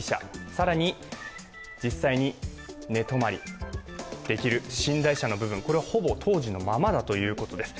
更に実際に寝泊まりできる寝台車の部分、これはほぼ当時のままだということです。